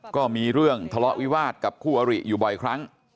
ก็มีเรื่องทะเลาะวิวาสกับคู่อริอยู่บ่อยครั้ง